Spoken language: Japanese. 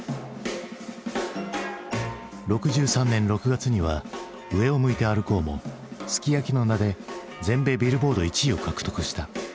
６３年６月には「上を向いて歩こう」も「ＳＵＫＩＹＡＫＩ」の名で全米ビルボード１位を獲得した。